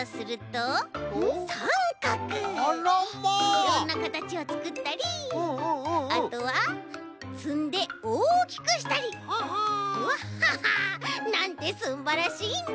いろんなかたちをつくったりあとはつんでおおきくしたりワッハハなんてすんばらしいんだ！